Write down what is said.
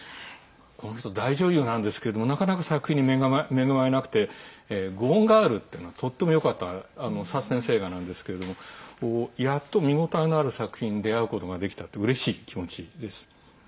この人、大女優なんですけれどもなかなか作品に恵まれなくて「ゴーン・ガール」っていうのはとてもよかったサスペンス映画なんですけれどもやっと見応えのある作品に出会うことができたってうれしい気持ちです。